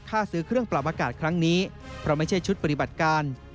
ซื้อเครื่องปรับอากาศครั้งนี้เพราะไม่ใช่ชุดปฏิบัติการ